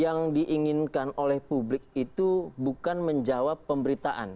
yang diinginkan oleh publik itu bukan menjawab pemberitaan